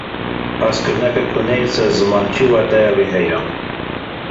Hezkirineke ku neyê ser ziman, çi wateya wê heye?